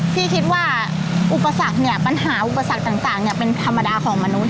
พี่คิดว่าปัญหาอุปสรรคต่างเป็นธรรมดาของมนุษย์